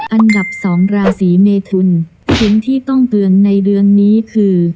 อันดับสองราศีเมทุนสิ่งที่ต้องเตือนในเดือนนี้คือ